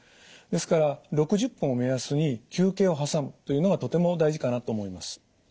ですから６０分を目安に休憩を挟むというのがとても大事かなと思います。